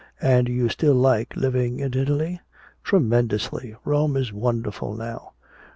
"And you still like living in Italy?" "Tremendously! Rome is wonderful now!"